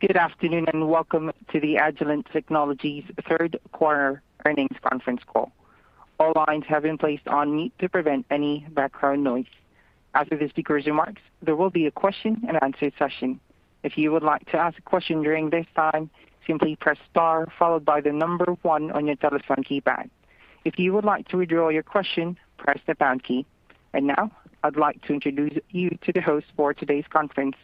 Good afternoon, and welcome to the Agilent Technologies third quarter earnings conference call. All lines have been placed on mute to prevent any background noise. After the speaker's remarks, there will be a question and answer session. If you would like to ask a question during this time, simply press star followed by the number 1 on your telephone keypad. If you would like to withdraw your question, press the pound key. Now, I'd like to introduce you to the host for today's conference,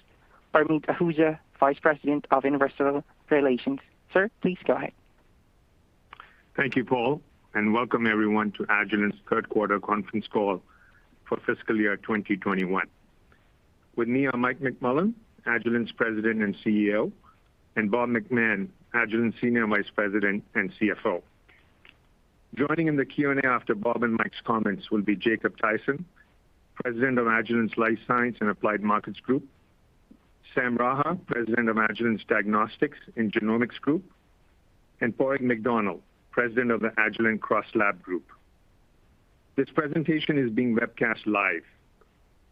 Parmeet Ahuja, Vice President of Investor Relations. Sir, please go ahead. Thank you, Paul, and welcome everyone to Agilent's third quarter conference call for fiscal year 2021. With me are Mike McMullen, Agilent's President and CEO, and Bob McMahon, Agilent's Senior Vice President and CFO. Joining in the Q&A after Bob and Mike's comments will be Jacob Thaysen, President of Agilent's Life Sciences and Applied Markets Group, Sam Raha, President of Agilent's Diagnostics and Genomics Group, and Padraig McDonnell, President of the Agilent CrossLab Group. This presentation is being webcast live.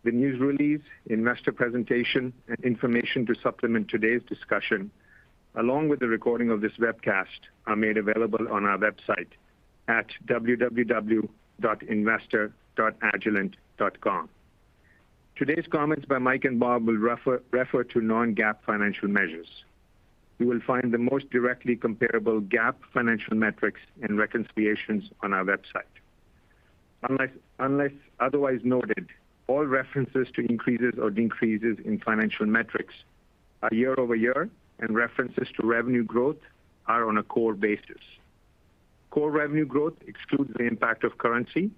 The news release, investor presentation, and information to supplement today's discussion, along with the recording of this webcast, are made available on our website at www.investor.agilent.com. Today's comments by Mike and Bob will refer to non-GAAP financial measures. You will find the most directly comparable GAAP financial metrics and reconciliations on our website. Unless otherwise noted, all references to increases or decreases in financial metrics are YoY, and references to revenue growth are on a core basis. Core revenue growth excludes the impact of currency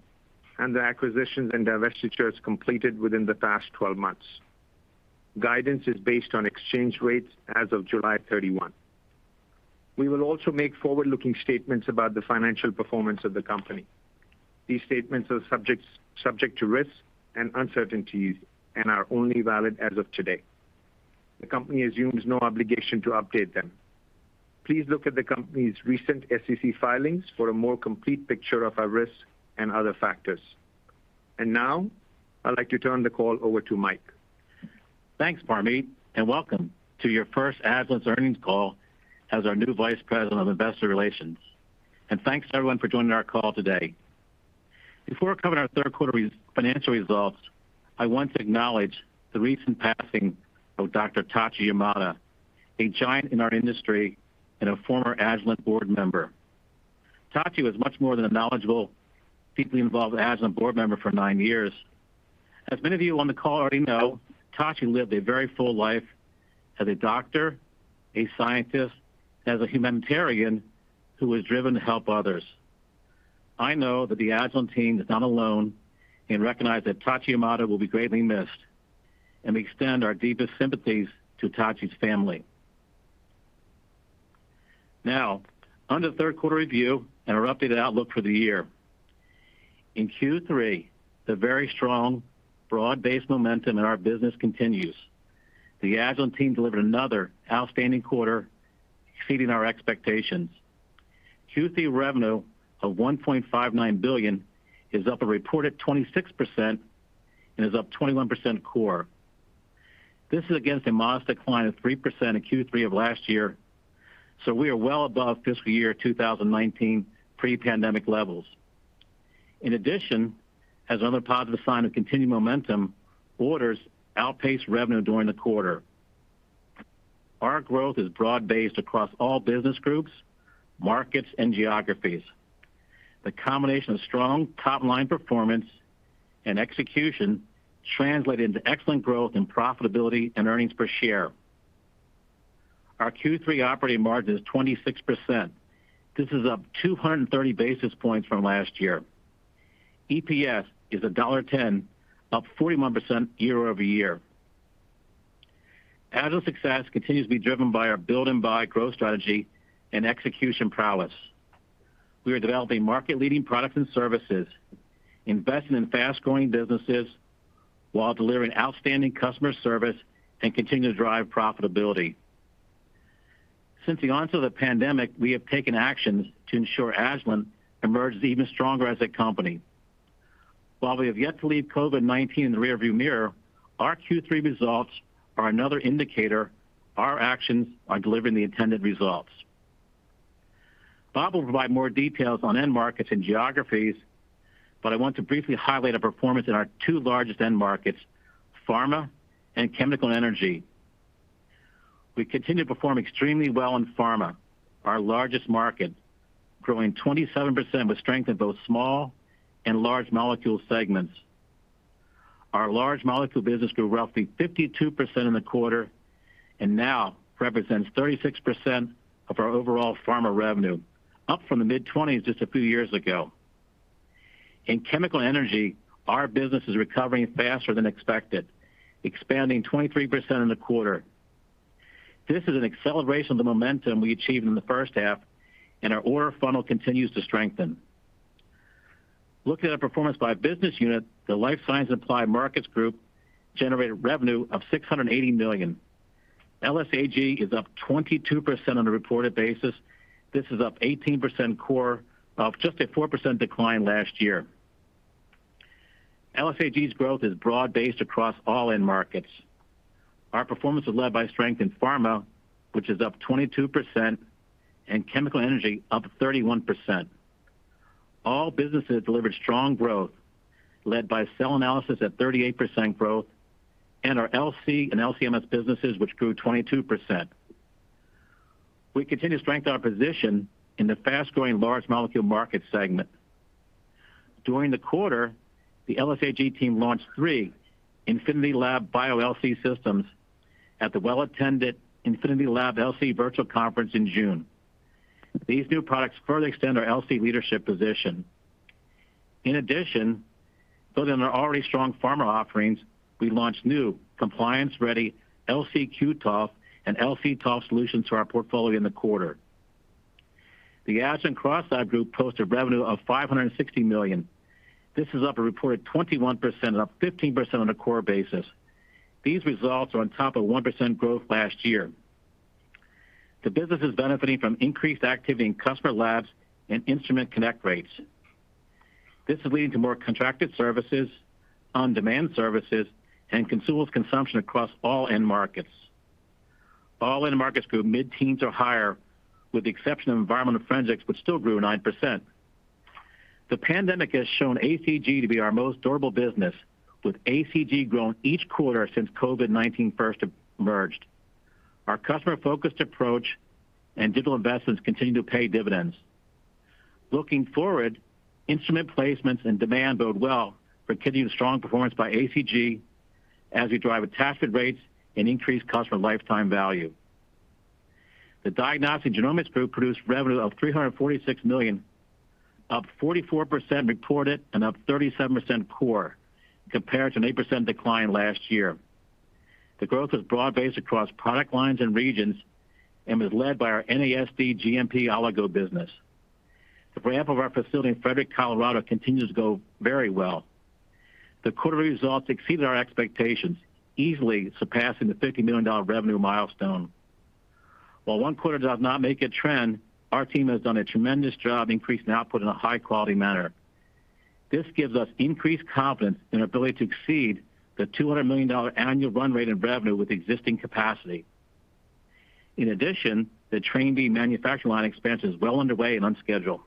and the acquisitions and divestitures completed within the past 12 months. Guidance is based on exchange rates as of July 31st. We will also make forward-looking statements about the financial performance of the company. These statements are subject to risks and uncertainties and are only valid as of today. The company assumes no obligation to update them. Please look at the company's recent SEC filings for a more complete picture of our risks and other factors. Now, I'd like to turn the call over to Mike. Thanks, Parmeet, and welcome to your first Agilent earnings call as our new Vice President of Investor Relations. Thanks to everyone for joining our call today. Before covering our third quarter financial results, I want to acknowledge the recent passing of Dr. Tachi Yamada, a giant in our industry and a former Agilent board member. Tachi was much more than a knowledgeable, deeply involved Agilent board member for nine years. As many of you on the call already know, Tachi lived a very full life as a doctor, a scientist, and as a humanitarian who was driven to help others. I know that the Agilent team is not alone and recognize that Tachi Yamada will be greatly missed, and we extend our deepest sympathies to Tachi's family. On to the third quarter review and our updated outlook for the year. In Q3, the very strong, broad-based momentum in our business continues. The Agilent team delivered another outstanding quarter, exceeding our expectations. Q3 revenue of $1.59 billion is up a reported 26% and is up 21% core. This is against a modest decline of 3% in Q3 of last year, we are well above fiscal year 2019 pre-pandemic levels. In addition, as another positive sign of continued momentum, orders outpaced revenue during the quarter. Our growth is broad-based across all business groups, markets, and geographies. The combination of strong top-line performance and execution translated into excellent growth and profitability in earnings per share. Our Q3 operating margin is 26%. This is up 230 basis points from last year. EPS is $1.10, up 41% YoY. Agilent's success continues to be driven by our build and buy growth strategy and execution prowess. We are developing market-leading products and services, investing in fast-growing businesses, while delivering outstanding customer service and continue to drive profitability. Since the onset of the pandemic, we have taken actions to ensure Agilent emerges even stronger as a company. While we have yet to leave COVID-19 in the rearview mirror, our Q3 results are another indicator our actions are delivering the intended results. Bob will provide more details on end markets and geographies, but I want to briefly highlight our performance in our two largest end markets, pharma and Chemical & Energy. We continue to perform extremely well in pharma, our largest market, growing 27% with strength in both small and large molecule segments. Our large molecule business grew roughly 52% in the quarter and now represents 36% of our overall pharma revenue, up from the mid-20s just a few years ago. In Chemical & Energy, our business is recovering faster than expected, expanding 23% in the quarter. This is an acceleration of the momentum we achieved in the first half, and our order funnel continues to strengthen. Looking at our performance by business unit, the Life Sciences and Applied Markets Group generated revenue of $680 million. LSAG is up 22% on a reported basis. This is up 18% core off just a 4% decline last year. LSAG's growth is broad-based across all end markets. Our performance was led by strength in pharma, which is up 22%, and Chemical & Energy up 31%. All businesses delivered strong growth, led by cell analysis at 38% growth, and our LC and LC-MS businesses, which grew 22%. We continue to strengthen our position in the fast-growing large molecule market segment. During the quarter, the LSAG team launched 3 InfinityLab Bio LC systems at the well-attended InfinityLab LC Virtual Conference in June. These new products further extend our LC leadership position. In addition, building on our already strong pharma offerings, we launched new compliance-ready LC/Q-TOF and LC/TOF solutions to our portfolio in the quarter. The Agilent CrossLab Group posted revenue of $560 million. This is up a reported 21% and up 15% on a core basis. These results are on top of 1% growth last year. The business is benefiting from increased activity in customer labs and instrument connect rates. This is leading to more contracted services, on-demand services, and consumables consumption across all end markets. All end markets grew mid-teens or higher, with the exception of environmental forensics, which still grew 9%. The pandemic has shown ACG to be our most durable business, with ACG growing each quarter since COVID-19 first emerged. Our customer-focused approach and digital investments continue to pay dividends. Looking forward, instrument placements and demand bode well for continued strong performance by ACG as we drive attachment rates and increase customer lifetime value. The Diagnostics and Genomics Group produced revenue of $346 million, up 44% reported and up 37% core, compared to an 8% decline last year. The growth was broad-based across product lines and regions and was led by our NASD GMP oligo business. The ramp of our facility in Frederick, Colorado, continues to go very well. The quarter results exceeded our expectations, easily surpassing the $50 million revenue milestone. While 1 quarter does not make a trend, our team has done a tremendous job increasing output in a high-quality manner. This gives us increased confidence in our ability to exceed the $200 million annual run rate in revenue with existing capacity. In addition, the Train B manufacturing line expansion is well underway and on schedule.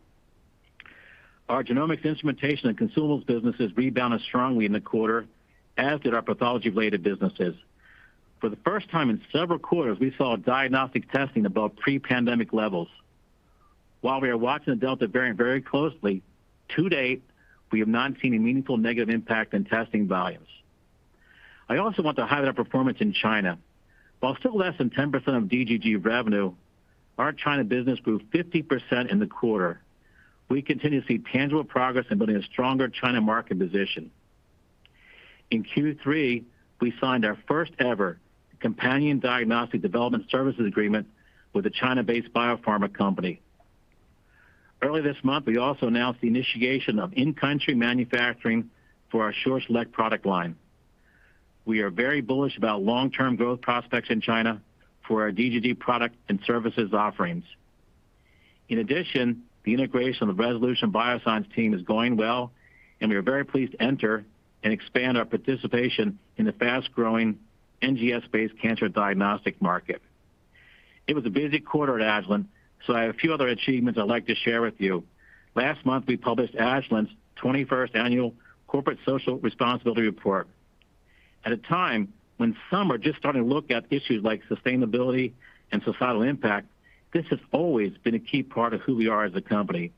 Our genomics instrumentation and consumables businesses rebounded strongly in the quarter, as did our pathology-related businesses. For the first time in several quarters, we saw diagnostic testing above pre-pandemic levels. While we are watching the Delta variant very closely, to date, we have not seen a meaningful negative impact on testing volumes. I also want to highlight our performance in China. While still less than 10% of DGG revenue, our China business grew 50% in the quarter. We continue to see tangible progress in building a stronger China market position. In Q3, we signed our first ever companion diagnostic development services agreement with a China-based biopharma company. Early this month, we also announced the initiation of in-country manufacturing for our SureSelect product line. We are very bullish about long-term growth prospects in China for our DGG product and services offerings. The integration of the Resolution Bioscience team is going well, and we are very pleased to enter and expand our participation in the fast-growing NGS-based cancer diagnostic market. It was a busy quarter at Agilent, so I have a few other achievements I'd like to share with you. Last month, we published Agilent's 21st annual corporate social responsibility report. At a time when some are just starting to look at issues like sustainability and societal impact, this has always been a key part of who we are as a company.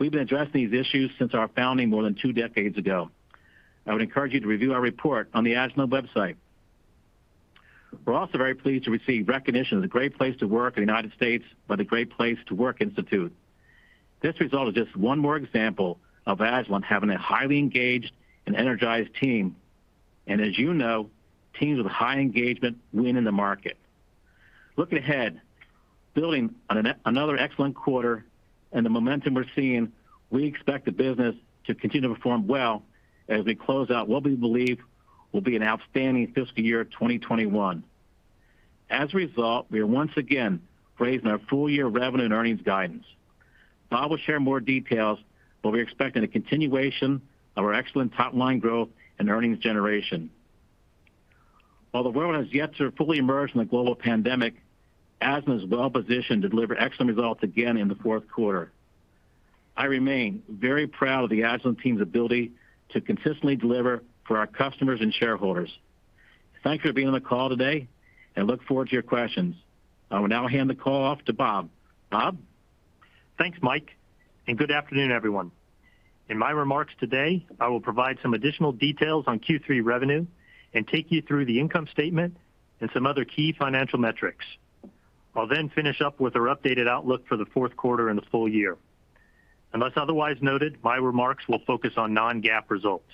We've been addressing these issues since our founding more than two decades ago. I would encourage you to review our report on the Agilent website. We're also very pleased to receive recognition as a great place to work in the United States by the Great Place to Work Institute. This result is just one more example of Agilent having a highly engaged and energized team. As you know, teams with high engagement win in the market. Looking ahead, building on another excellent quarter and the momentum we're seeing, we expect the business to continue to perform well as we close out what we believe will be an outstanding fiscal year 2021. As a result, we are once again raising our full-year revenue and earnings guidance. Bob will share more details, we're expecting a continuation of our excellent top-line growth and earnings generation. While the world has yet to fully emerge from the global pandemic, Agilent is well positioned to deliver excellent results again in the fourth quarter. I remain very proud of the Agilent team's ability to consistently deliver for our customers and shareholders. Thank you for being on the call today and look forward to your questions. I will now hand the call off to Bob. Bob? Thanks, Mike, good afternoon, everyone. In my remarks today, I will provide some additional details on Q3 revenue and take you through the income statement and some other key financial metrics. I'll then finish up with our updated outlook for the fourth quarter and the full year. Unless otherwise noted, my remarks will focus on non-GAAP results.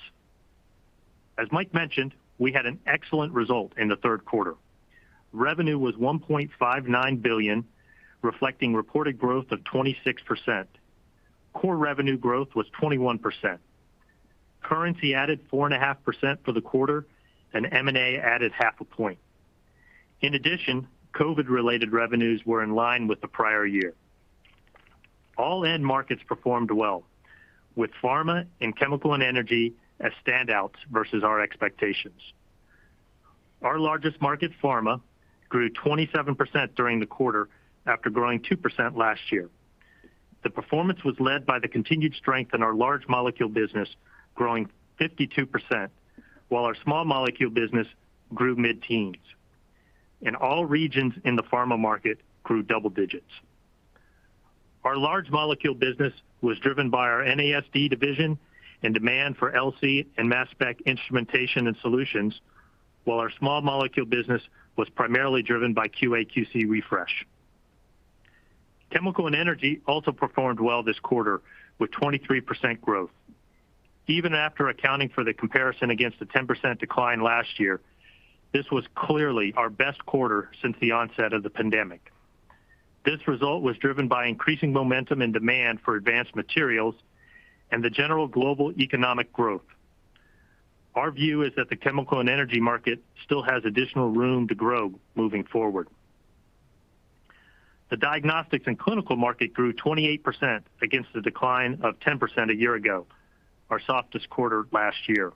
As Mike mentioned, we had an excellent result in the third quarter. Revenue was $1.59 billion, reflecting reported growth of 26%. Core revenue growth was 21%. Currency added 4.5% for the quarter, and M&A added half a point. In addition, COVID-related revenues were in line with the prior year. All end markets performed well, with pharma and Chemical & Energy as standouts versus our expectations. Our largest market, pharma, grew 27% during the quarter after growing 2% last year. The performance was led by the continued strength in our large molecule business, growing 52%, while our small molecule business grew mid-teens. All regions in the pharma market grew double digits. Our large molecule business was driven by our NASD division and demand for LC and mass spec instrumentation and solutions, while our small molecule business was primarily driven by QA/QC refresh. Chemical and energy also performed well this quarter, with 23% growth. Even after accounting for the comparison against the 10% decline last year, this was clearly our best quarter since the onset of the pandemic. This result was driven by increasing momentum and demand for advanced materials and the general global economic growth. Our view is that the chemical and energy market still has additional room to grow moving forward. The Diagnostics and Clinical market grew 28% against the decline of 10% a year ago, our softest quarter last year.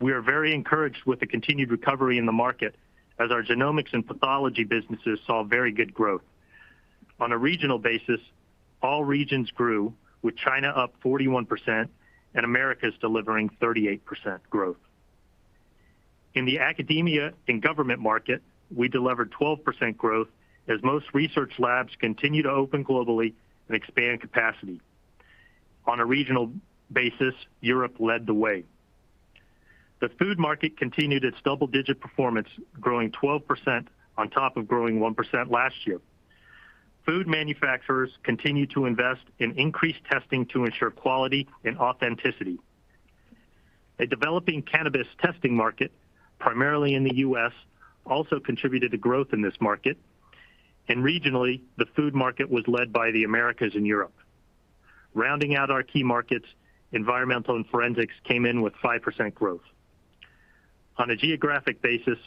We are very encouraged with the continued recovery in the market as our genomics and pathology businesses saw very good growth. On a regional basis, all regions grew, with China up 41% and Americas delivering 38% growth. In the Academia and Government market, we delivered 12% growth as most research labs continue to open globally and expand capacity. On a regional basis, Europe led the way. The Food market continued its double-digit performance, growing 12% on top of growing 1% last year. Food manufacturers continue to invest in increased testing to ensure quality and authenticity. A developing cannabis testing market, primarily in the U.S., also contributed to growth in this market. Regionally, the Food market was led by the Americas and Europe. Rounding out our key markets, environmental and forensics came in with 5% growth. On a geographic basis,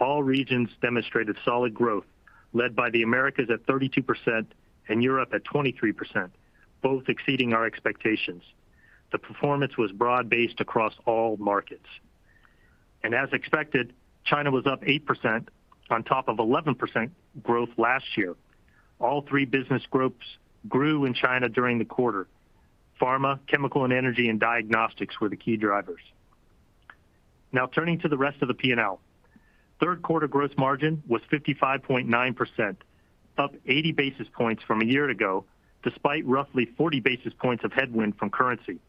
all regions demonstrated solid growth, led by the Americas at 32% and Europe at 23%, both exceeding our expectations. The performance was broad-based across all markets. As expected, China was up 8% on top of 11% growth last year. All three business groups grew in China during the quarter. Pharma, chemical and energy, and diagnostics were the key drivers. Now turning to the rest of the P&L. Third quarter gross margin was 55.9%, up 80 basis points from a year ago, despite roughly 40 basis points of headwind from currency.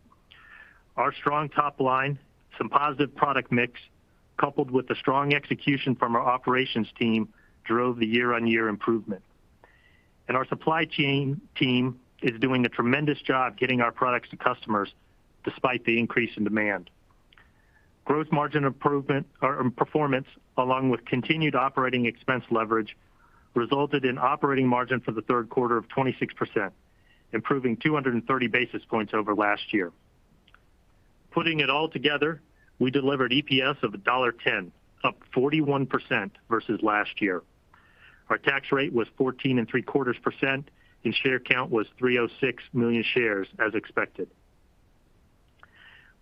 Our strong top line, some positive product mix, coupled with the strong execution from our operations team, drove the year-on-year improvement. Our supply chain team is doing a tremendous job getting our products to customers despite the increase in demand. Gross margin performance, along with continued operating expense leverage, resulted in operating margin for the third quarter of 26%, improving 230 basis points over last year. Putting it all together, we delivered EPS of $1.10, up 41% versus last year. Our tax rate was 14.75%, and share count was 306 million shares as expected.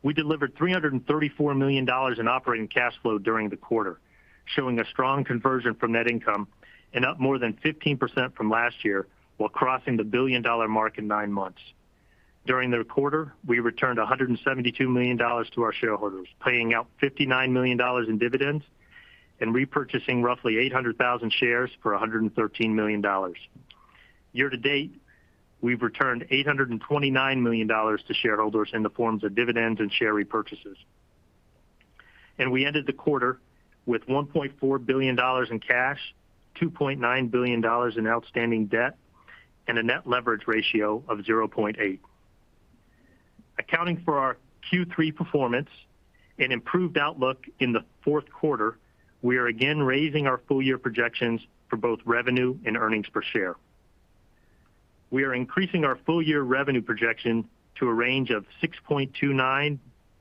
We delivered $334 million in operating cash flow during the quarter, showing a strong conversion from net income and up more than 15% from last year while crossing the billion-dollar mark in 9 months. During the quarter, we returned $172 million to our shareholders, paying out $59 million in dividends and repurchasing roughly 800,000 shares for $113 million. Year to date, we've returned $829 million to shareholders in the forms of dividends and share repurchases. We ended the quarter with $1.4 billion in cash, $2.9 billion in outstanding debt, and a net leverage ratio of 0.8. Accounting for our Q3 performance and improved outlook in the fourth quarter, we are again raising our full year projections for both revenue and earnings per share. We are increasing our full year revenue projection to a range of $6.29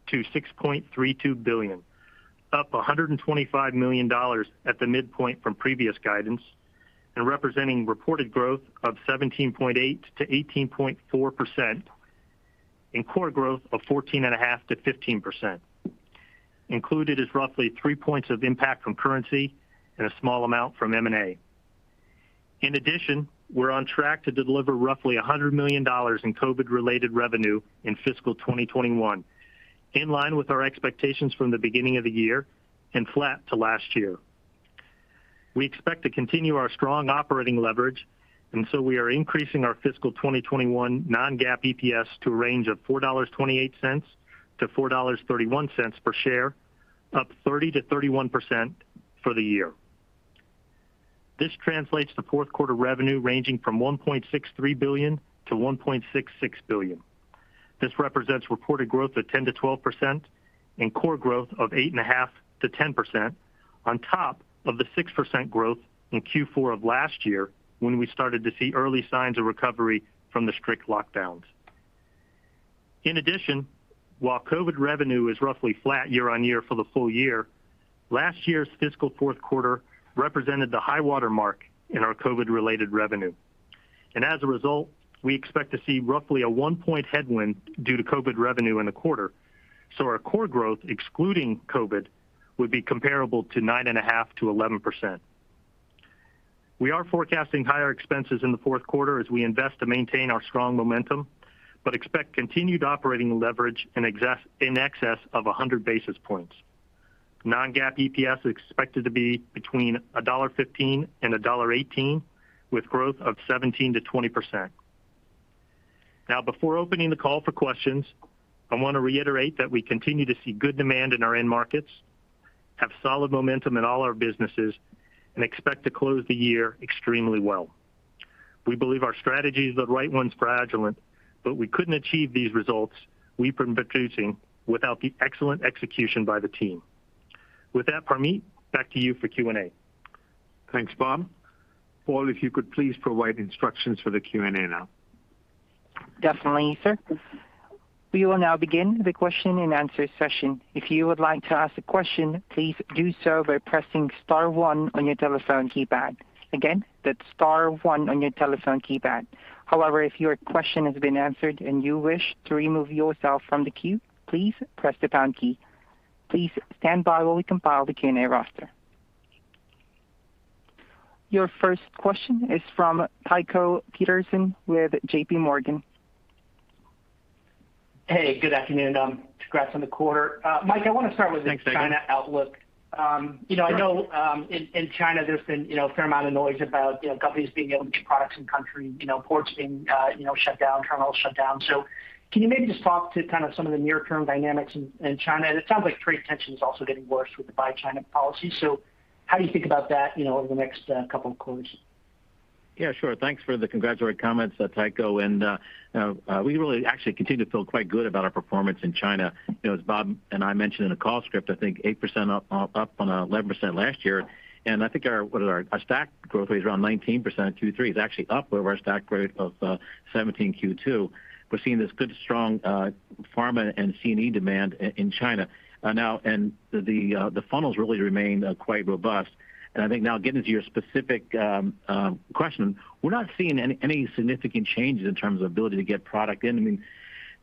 billion-$6.32 billion, up $125 million at the midpoint from previous guidance and representing reported growth of 17.8%-18.4% and core growth of 14.5%-15%. Included is roughly 3 points of impact from currency and a small amount from M&A. In addition, we're on track to deliver roughly $100 million in COVID-related revenue in fiscal 2021, in line with our expectations from the beginning of the year and flat to last year. We expect to continue our strong operating leverage, we are increasing our fiscal 2021 non-GAAP EPS to a range of $4.28-$4.31 per share, up 30%-31% for the year. This translates to fourth quarter revenue ranging from $1.63 billion-$1.66 billion. This represents reported growth of 10%-12% and core growth of 8.5%-10% on top of the 6% growth in Q4 of last year when we started to see early signs of recovery from the strict lockdowns. In addition, while COVID revenue is roughly flat YoY for the full year, last year's fiscal fourth quarter represented the high water mark in our COVID-related revenue. As a result, we expect to see roughly a 1-point headwind due to COVID revenue in the quarter. Our core growth, excluding COVID, would be comparable to 9.5%-11%. We are forecasting higher expenses in the fourth quarter as we invest to maintain our strong momentum. Expect continued operating leverage in excess of 100 basis points. Non-GAAP EPS is expected to be between $1.15 and $1.18, with growth of 17%-20%. Before opening the call for questions, I want to reiterate that we continue to see good demand in our end markets, have solid momentum in all our businesses, and expect to close the year extremely well. We believe our strategy is the right one for Agilent. We couldn't achieve these results we've been producing without the excellent execution by the team. With that, Parmeet, back to you for Q&A. Thanks, Bob. Paul, if you could please provide instructions for the Q&A now. Definitely, sir. We will now begin the question and answer session. If you would like to ask a question, please do so by pressing star one on your telephone keypad. Again, that's star one on your telephone keypad. However, if your question has been answered and you wish to remove yourself from the queue, please press the pound key. Please stand by while we compile the Q&A roster. Your first question is from Tycho Peterson with JPMorgan. Hey, good afternoon. Congrats on the quarter. Mike, I want to start with. Thanks, Tycho Peterson. the China outlook. I know in China there's been a fair amount of noise about companies being able to get products in country, ports being shut down, terminals shut down. Can you maybe just talk to kind of some of the near-term dynamics in China? It sounds like trade tension is also getting worse with the Buy China Policy. How do you think about that over the next couple of quarters? Yeah, sure. Thanks for the congratulatory comments, Tycho, we really actually continue to feel quite good about our performance in China. As Bob and I mentioned in the call script, I think 8% up on 11% last year, I think our stacked growth rate is around 19% Q3, is actually up over our stacked growth of 17% Q2. We're seeing this good, strong pharma and C&E demand in China now, the funnels really remain quite robust. I think now getting into your specific question, we're not seeing any significant changes in terms of ability to get product in.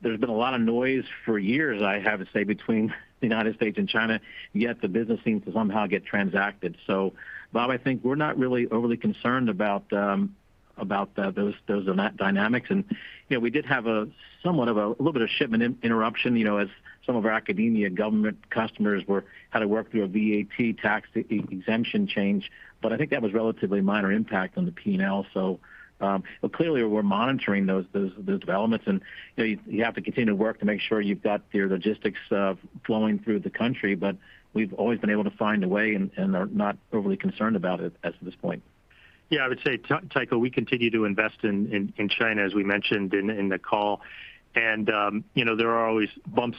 There's been a lot of noise for years, I have to say, between the U.S. and China, yet the business seems to somehow get transacted. Bob, I think we're not really overly concerned about those dynamics. We did have a little bit of shipment interruption as some of our academia government customers had to work through a VAT tax exemption change. I think that was relatively minor impact on the P&L. Clearly we're monitoring those developments and you have to continue to work to make sure you've got your logistics flowing through the country, but we've always been able to find a way and are not overly concerned about it as of this point. I would say, Tycho, we continue to invest in China, as we mentioned in the call, and there are always bumps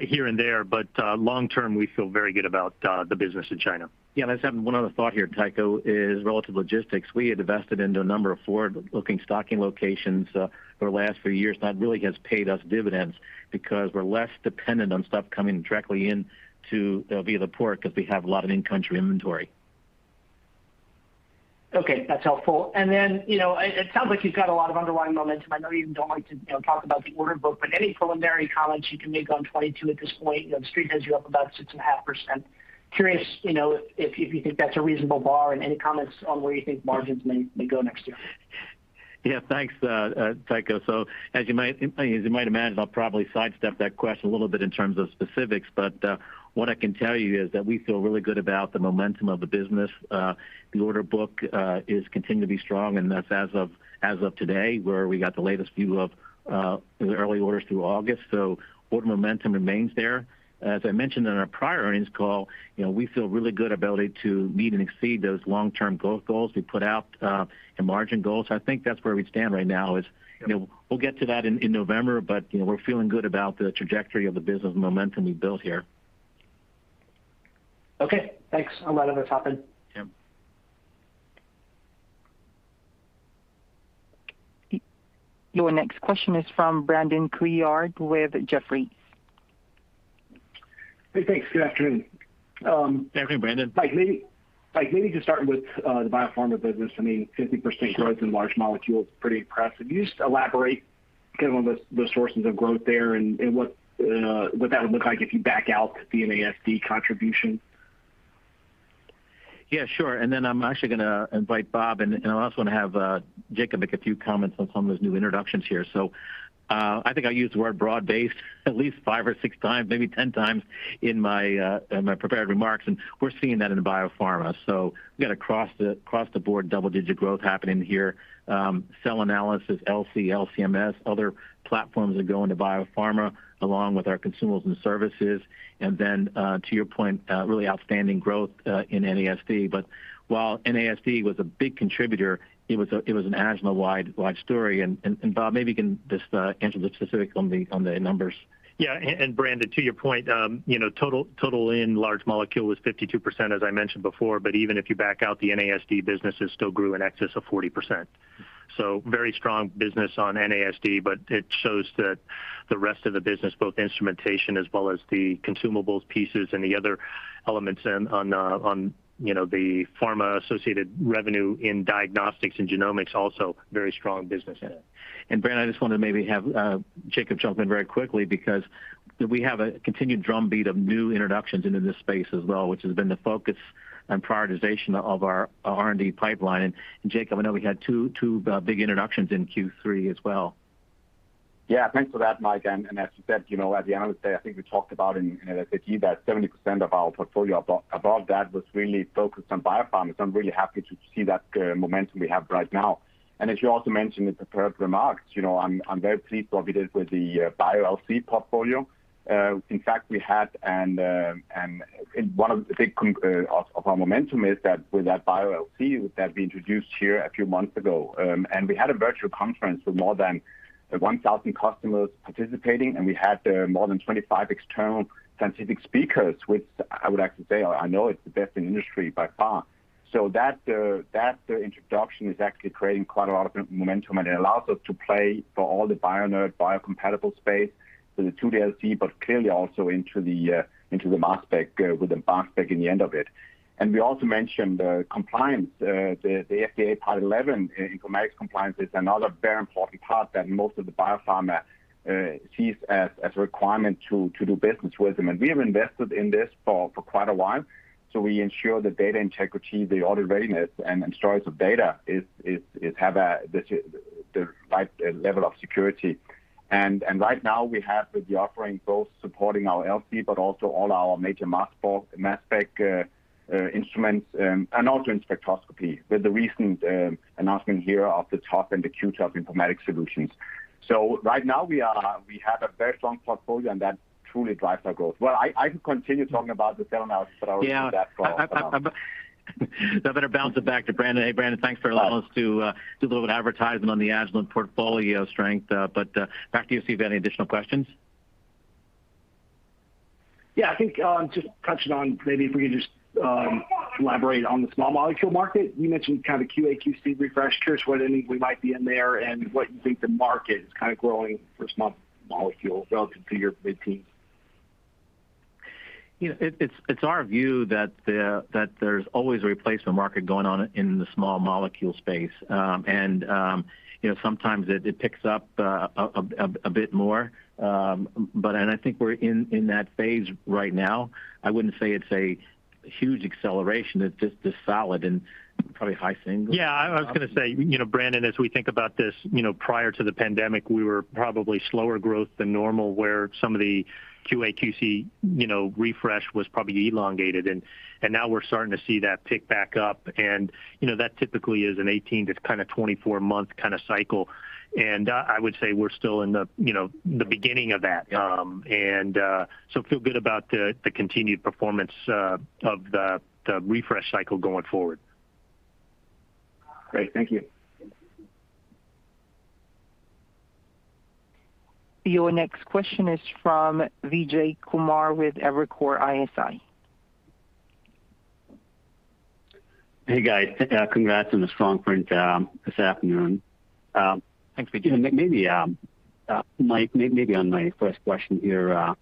here and there, but long term, we feel very good about the business in China. I just have one other thought here, Tycho, is relative logistics. We had invested into a number of forward-looking stocking locations for the last few years. That really has paid us dividends because we're less dependent on stuff coming directly in via the port, because we have a lot of in-country inventory. Okay, that's helpful. It sounds like you've got a lot of underlying momentum. I know you don't like to talk about the order book, any preliminary comments you can make on 2022 at this point? The Street has you up about 6.5%. Curious if you think that's a reasonable bar and any comments on where you think margins may go next year. Yeah, thanks, Tycho. As you might imagine, I'll probably sidestep that question a little bit in terms of specifics, but what I can tell you is that we feel really good about the momentum of the business. The order book is continuing to be strong, and that's as of today, where we got the latest view of early orders through August. Order momentum remains there. As I mentioned in our prior earnings call, we feel really good ability to meet and exceed those long-term growth goals we put out and margin goals. I think that's where we stand right now is we'll get to that in November, but we're feeling good about the trajectory of the business momentum we've built here. Okay, thanks. I'll let others hop in. Yeah. Your next question is from Brandon Couillard with Jefferies. Hey, thanks. Good afternoon. Afternoon, Brandon. Mike, maybe to start with the biopharma business, 50% growth in large molecule is pretty impressive. Can you just elaborate kind of on the sources of growth there and what that would look like if you back out the NASD contribution? Yeah, sure. I'm actually going to invite Bob, and I also want to have Jacob make a few comments on some of those new introductions here. I think I used the word broad-based at least 5 or 6 times, maybe 10 times in my prepared remarks, and we're seeing that in biopharma. We've got across the board double-digit growth happening here. Cell analysis, LC-MS, other platforms that go into biopharma along with our consumables and services. To your point, really outstanding growth in NASD. While NASD was a big contributor, it was an Agilent-wide story. Bob, maybe you can just answer the specific on the numbers. Brandon, to your point, total in large molecule was 52%, as I mentioned before, but even if you back out the NASD businesses, still grew in excess of 40%. Very strong business on NASD, it shows that the rest of the business, both instrumentation as well as the consumables pieces and the other elements on the pharma-associated revenue in diagnostics and genomics, also very strong business in it. Brad, I just want to maybe have Jacob jump in very quickly, because we have a continued drumbeat of new introductions into this space as well, which has been the focus and prioritization of our R&D pipeline. Jacob, I know we had two big introductions in Q3 as well. Yeah, thanks for that, Mike. As you said, at the analyst day, I think we talked about in the 50 that 70% of our portfolio above that was really focused on biopharm. I'm really happy to see that momentum we have right now. As you also mentioned in prepared remarks, I'm very pleased with what we did with the Bio LC portfolio. In fact, one of the big components of our momentum is that with that Bio LC that we introduced here a few months ago. We had a virtual conference with more than 1,000 customers participating, and we had more than 25 external scientific speakers, which I would like to say, I know it's the best in industry by far. That introduction is actually creating quite a lot of momentum, and it allows us to play for all the bio-inert, biocompatible space. The 2D LC, but clearly also into the mass spec with the mass spec in the end of it. We also mentioned compliance, the 21 CFR Part 11 informatics compliance is another very important part that most of the biopharma sees as requirement to do business with them, and we have invested in this for quite a while. We ensure the data integrity, the audit readiness, and storage of data have the right level of security. Right now we have with the offering both supporting our LC, but also all our major mass spec instruments, and also in spectroscopy with the recent announcement here of the TOF and the Q-TOF informatics solutions. Right now we have a very strong portfolio, and that truly drives our growth. Well, I could continue talking about those a lot, but I will stop. Yeah. I better bounce it back to Brandon. Hey, Brandon, thanks for allowing us to do a little bit of advertising on the Agilent portfolio strength. Back to you to see if you have any additional questions. Yeah, I think just touching on maybe if we could just elaborate on the small molecule market. You mentioned kind of QA/QC refresh. Curious what any we might be in there and what you think the market is kind of growing for small molecule relative to your mid-teen. It's our view that there's always a replacement market going on in the small molecule space. Sometimes it picks up a bit more. I think we're in that phase right now. I wouldn't say it's a huge acceleration. It's just a solid and probably high single. Yeah, I was going to say, Brandon, as we think about this, prior to the pandemic, we were probably slower growth than normal, where some of the QA/QC refresh was probably elongated. Now we're starting to see that pick back up. That typically is an 18 to kind of 24-month kind of cycle. I would say we're still in the beginning of that. Yeah. Feel good about the continued performance of the refresh cycle going forward. Great. Thank you. Your next question is from Vijay Kumar with Evercore ISI. Hey, guys. Congrats on the strong print this afternoon. Thanks, Vijay. Maybe, Mike, on my first question here.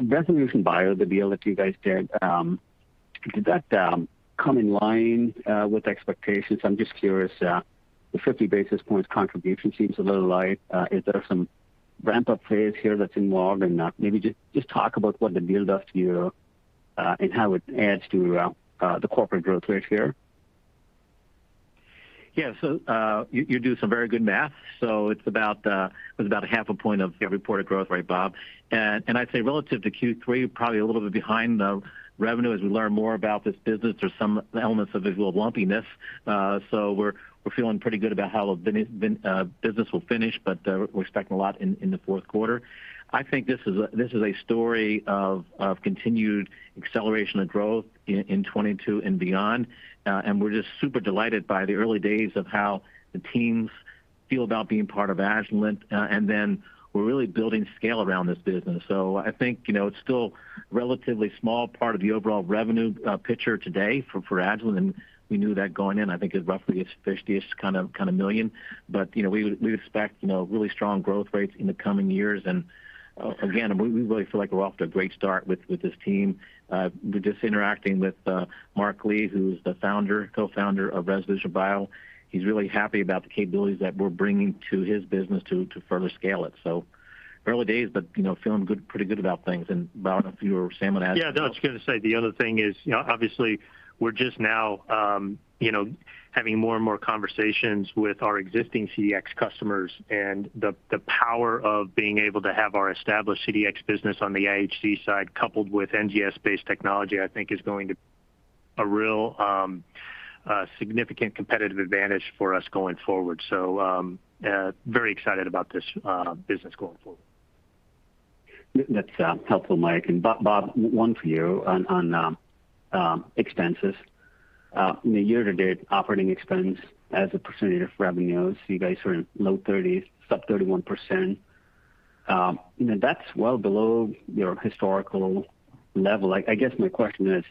Resolution Bioscience, the deal that you guys did that come in line with expectations? I'm just curious. The 50 basis points contribution seems a little light. Is there some ramp-up phase here that's involved? Maybe just talk about what the deal does to you, and how it adds to the corporate growth rate here. Yeah. You do some very good math. It's about 0.5 point of reported growth rate, Bob. I'd say relative to Q3, probably a little bit behind the revenue. As we learn more about this business, there's some elements of usual lumpiness. We're feeling pretty good about how the business will finish, but we're expecting a lot in the 4th quarter. I think this is a story of continued acceleration and growth in 2022 and beyond. We're just super delighted by the early days of how the teams feel about being part of Agilent. We're really building scale around this business. I think, it's still relatively small part of the overall revenue picture today for Agilent, and we knew that going in. I think it's roughly it's $30-ish million. We expect really strong growth rates in the coming years. Again, we really feel like we're off to a great start with this team. Just interacting with Mark Li, who's the co-founder of Resolution Bio. He's really happy about the capabilities that we're bringing to his business to further scale it. Early days, but feeling pretty good about things. Bob, if you or Sam want to add to that. Yeah, no, I was going to say the other thing is, obviously, we're just now having more and more conversations with our existing CDx customers and the power of being able to have our established CDx business on the IHC side coupled with NGS-based technology, I think, is going to a real significant competitive advantage for us going forward. Very excited about this business going forward. That's helpful, Mike. Bob, one for you on expenses. In the year-to-date operating expense as a percentage of revenues, you guys are in low 30s, sub 31%. That's well below your historical level. I guess my question is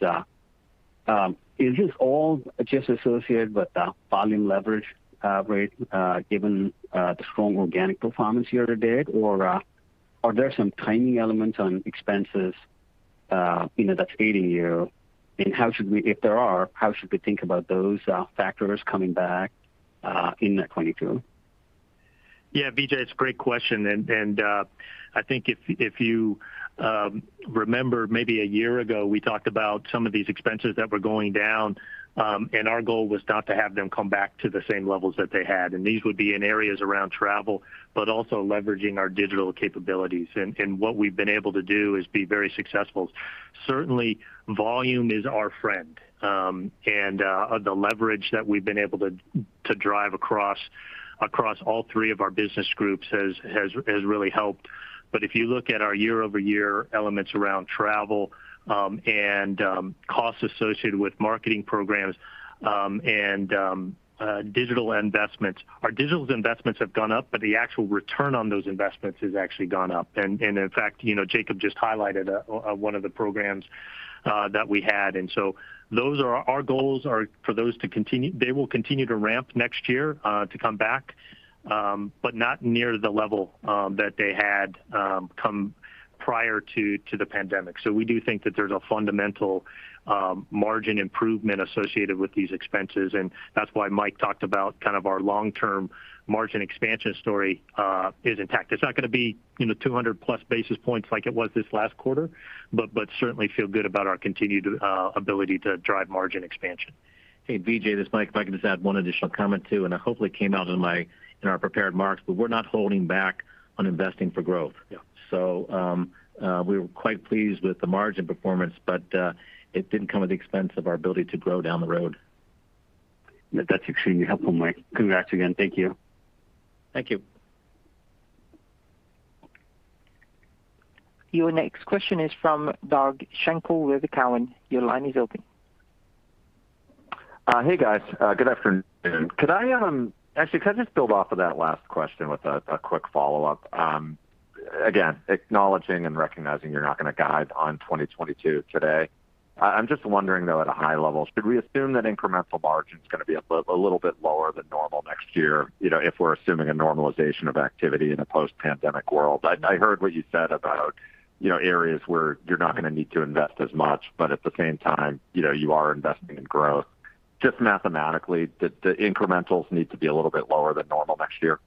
this all just associated with the volume leverage rate, given the strong organic performance year-to-date, or are there some timing elements on expenses that's aiding you? If there are, how should we think about those factors coming back in 2022? Yeah, Vijay, it's a great question. I think if you remember maybe a year ago, we talked about some of these expenses that were going down, and our goal was not to have them come back to the same levels that they had. These would be in areas around travel, but also leveraging our digital capabilities. What we've been able to do is be very successful. Certainly, volume is our friend, and the leverage that we've been able to drive across all three of our business groups has really helped. If you look at our YoY elements around travel, and costs associated with marketing programs, and digital investments, our digital investments have gone up, but the actual return on those investments has actually gone up. In fact, Jacob just highlighted one of the programs that we had. Our goals are for those to continue. They will continue to ramp next year to come back, but not near the level that they had come prior to the pandemic. We do think that there's a fundamental margin improvement associated with these expenses, and that's why Mike talked about our long-term margin expansion story is intact. It's not going to be 200+ basis points like it was this last quarter, but certainly feel good about our continued ability to drive margin expansion. Hey, Vijay, this is Mike. If I could just add one additional comment, too, and it hopefully came out in our prepared marks, but we're not holding back on investing for growth. Yeah. We were quite pleased with the margin performance, but it didn't come at the expense of our ability to grow down the road. That's extremely helpful, Mike. Congrats again. Thank you. Thank you. Your next question is from Doug Schenkel with Cowen. Your line is open. Hey, guys. Good afternoon. Actually, could I just build off of that last question with a quick follow-up? Again, acknowledging and recognizing you're not going to guide on 2022 today, I'm just wondering, though, at a high level, should we assume that incremental margin's going to be a little bit lower than normal next year, if we're assuming a normalization of activity in a post-pandemic world? I heard what you said about areas where you're not going to need to invest as much, but at the same time, you are investing in growth. Just mathematically, the incrementals need to be a little bit lower than normal next year?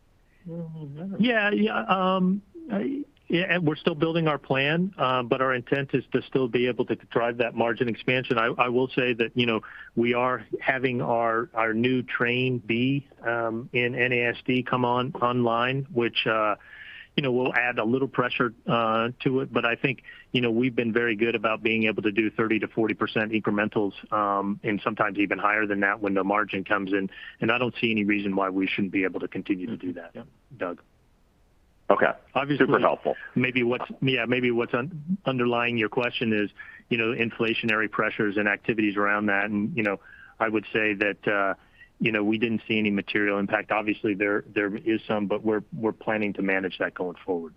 Yeah. We're still building our plan, but our intent is to still be able to drive that margin expansion. I will say that we are having our new Train B in NASD come online, which will add a little pressure to it. I think we've been very good about being able to do 30%-40% incrementals, and sometimes even higher than that when the margin comes in, and I don't see any reason why we shouldn't be able to continue to do that. Mm-hmm. Yep. Doug. Okay. Obviously- Super helpful. Maybe what's underlying your question is inflationary pressures and activities around that. I would say that we didn't see any material impact. Obviously, there is some. We're planning to manage that going forward.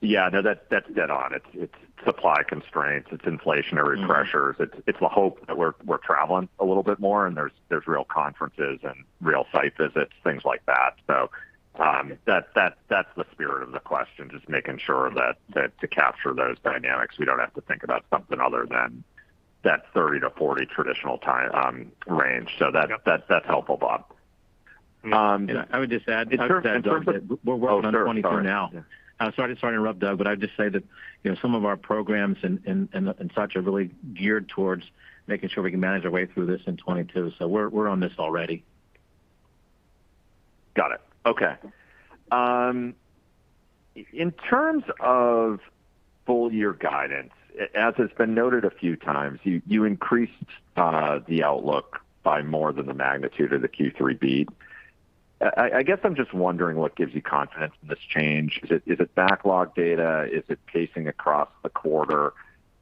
Yeah, no, that's dead on. It's supply constraints. It's inflationary pressures. It's the hope that we're traveling a little bit more, and there's real conferences and real site visits, things like that. That's the spirit of the question, just making sure that to capture those dynamics, we don't have to think about something other than that 30 to 40 traditional range. Yep. That's helpful, Bob. And I would just add- In terms of. to that, Doug, that we're working on 2022 now. Oh, sure. Sorry. Sorry to interrupt, Doug, but I'd just say that some of our programs and such are really geared towards making sure we can manage our way through this in 2022. We're on this already. Got it. Okay. In terms of full-year guidance, as has been noted a few times, you increased the outlook by more than the magnitude of the Q3 beat. I guess I'm just wondering what gives you confidence in this change. Is it backlog data? Is it pacing across the quarter?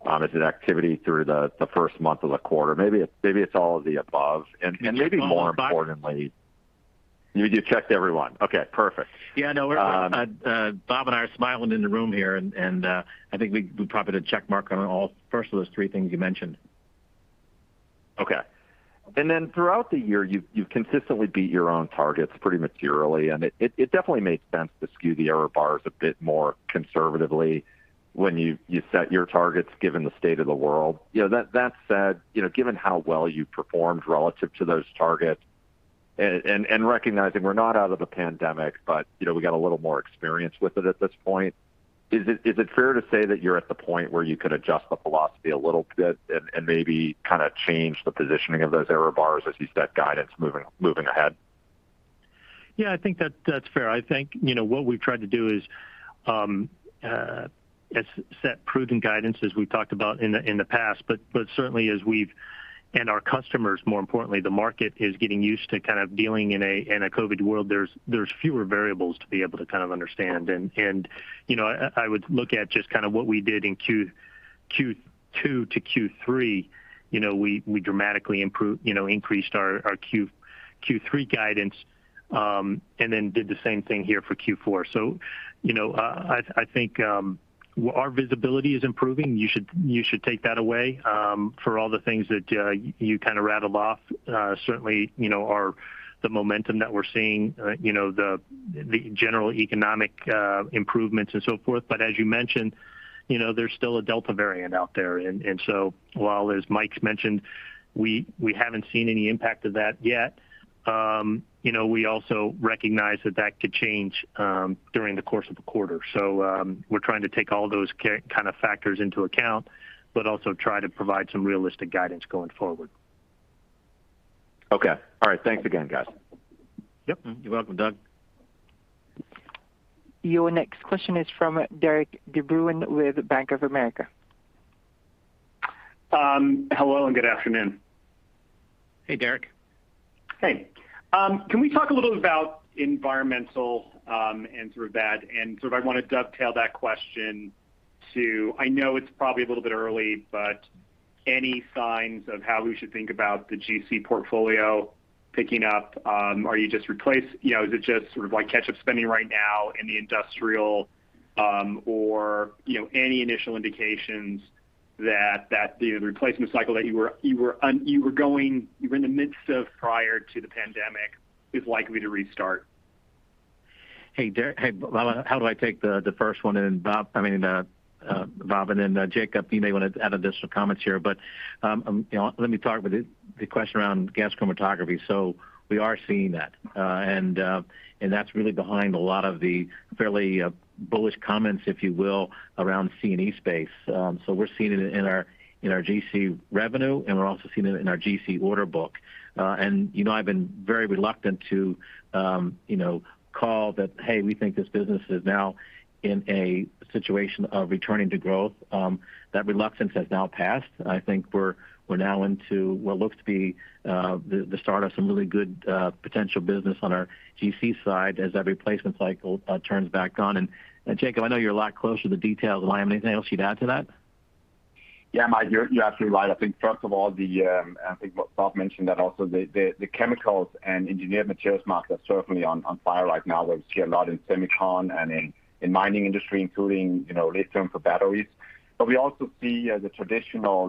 Is it activity through the first month of the quarter? Maybe it's all of the above, and maybe more importantly? Can I jump on, Bob? You checked every one. Okay, perfect. Yeah, no. Bob and I are smiling in the room here, and I think we probably did a check mark on all first of those three things you mentioned. Okay. Throughout the year, you've consistently beat your own targets pretty materially, and it definitely makes sense to skew the error bars a bit more conservatively when you set your targets given the state of the world. That said, given how well you've performed relative to those targets, and recognizing we're not out of the pandemic, but we got a little more experience with it at this point, is it fair to say that you're at the point where you could adjust the philosophy a little bit and maybe kind of change the positioning of those error bars as you set guidance moving ahead? Yeah, I think that's fair. I think what we've tried to do is set prudent guidance, as we've talked about in the past. Certainly as we've, and our customers, more importantly, the market, is getting used to kind of dealing in a COVID world, there's fewer variables to be able to kind of understand. I would look at just kind of what we did in Q2 to Q3. We dramatically increased our Q3 guidance. Did the same thing here for Q4. I think our visibility is improving. You should take that away for all the things that you kind of rattled off. Certainly, the momentum that we're seeing, the general economic improvements and so forth, but as you mentioned, there's still a Delta variant out there. While, as Mike's mentioned, we haven't seen any impact of that yet, we also recognize that that could change during the course of the quarter. We're trying to take all those kind of factors into account, but also try to provide some realistic guidance going forward. Okay. All right. Thanks again, guys. Yep. You're welcome, Doug. Your next question is from Derik De Bruin with Bank of America. Hello, and good afternoon. Hey, Derik. Hey. Can we talk a little about environmental, and sort of that, and sort of I want to dovetail that question to, I know it's probably a little bit early, but any signs of how we should think about the GC portfolio picking up? Is it just sort of like catch-up spending right now in the industrial, or any initial indications that the replacement cycle that you were in the midst of prior to the pandemic is likely to restart? Hey, Derik. How do I take the first one? Bob, and then Jacob, you may want to add additional comments here. Let me talk about the question around gas chromatography. We are seeing that. That's really behind a lot of the fairly bullish comments, if you will, around C&E space. We're seeing it in our GC revenue, and we're also seeing it in our GC order book. I've been very reluctant to call that, "Hey, we think this business is now in a situation of returning to growth." That reluctance has now passed. I think we're now into what looks to be the start of some really good potential business on our GC side as that replacement cycle turns back on. Jacob, I know you're a lot closer to the details than I am. Anything else you'd add to that? Yeah, Mike, you're absolutely right. I think first of all, I think what Bob mentioned that also the chemicals and engineered materials market are certainly on fire right now. We see a lot in semicon and in mining industry, including lithium for batteries. We also see the traditional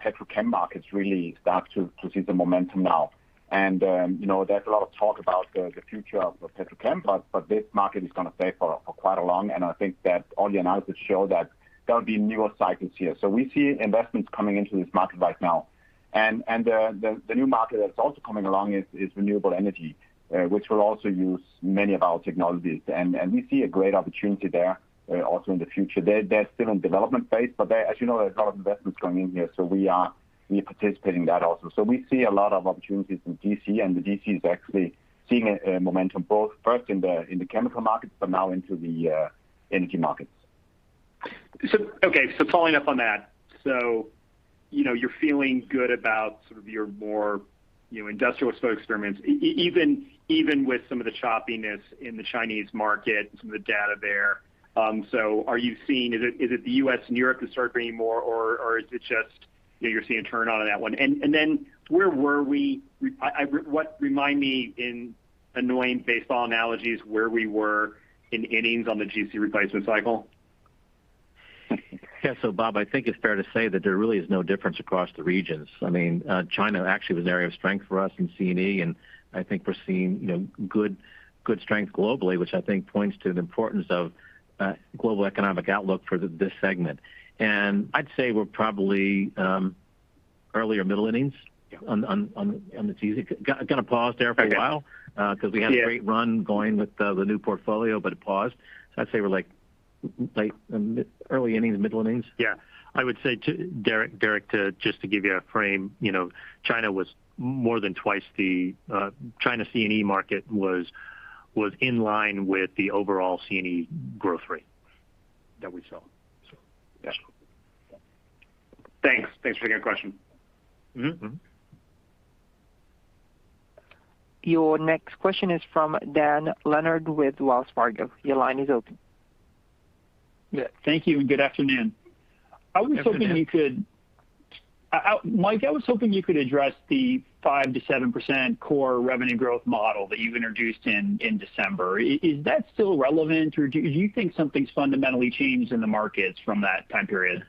petrochem markets really start to see the momentum now. There's a lot of talk about the future of petrochem, but this market is going to stay for quite long. I think that all the analysis show that there'll be newer cycles here. We see investments coming into this market right now. The new market that's also coming along is renewable energy, which will also use many of our technologies. We see a great opportunity there also in the future. They're still in development phase, but as you know, there's a lot of investments coming in here, so we are participating in that also. We see a lot of opportunities in GC, and the GC is actually seeing a momentum both first in the chemical markets, but now into the energy markets. Okay. Following up on that, you're feeling good about sort of your more industrial sort of experiments, even with some of the choppiness in the Chinese market and some of the data there. Are you seeing, is it the U.S. and Europe that start bringing more, or is it just you're seeing a turn on that one? Remind me in annoying baseball analogies, where we were in innings on the GC replacement cycle? Yeah. Bob, I think it's fair to say that there really is no difference across the regions. I mean, China actually was an area of strength for us in C&E, I think we're seeing good strength globally, which I think points to the importance of global economic outlook for this segment. I'd say we're probably early or middle innings on the GC. Okay We had a great run going with the new portfolio, but it paused. I'd say we're like early innings, middle innings. Yeah. I would say too, Derik, just to give you a frame, China C&E market was in line with the overall C&E growth rate that we saw. Yeah. Thanks. Thanks for the great question. Your next question is from Dan Leonard with Wells Fargo. Your line is open. Yeah. Thank you, and good afternoon. Good afternoon. Mike, I was hoping you could address the 5%-7% core revenue growth model that you've introduced in December. Is that still relevant, or do you think something's fundamentally changed in the markets from that time period?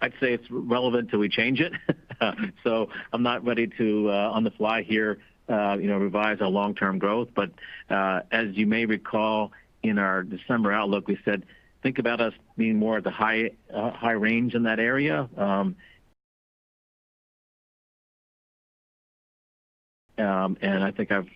I'd say it's relevant till we change it. I'm not ready to, on the fly here revise our long-term growth. As you may recall, in our December outlook, we said think about us being more at the high range in that area. I think that